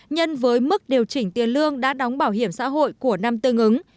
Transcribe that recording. nhân với mức điều chỉnh tiền lương đã đóng bảo hiểm xã hội của năm tương ứng